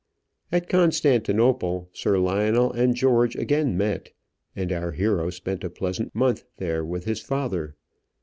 At Constantinople, Sir Lionel and George again met, and our hero spent a pleasant month there with his father.